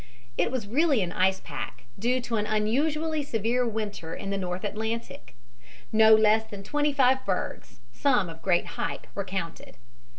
It was really an ice pack, due to an unusually severe winter in the north Atlantic. No less than twenty five bergs, some of great height, were counted.